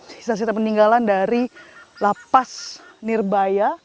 sisa sisa peninggalan dari lapas nirbaya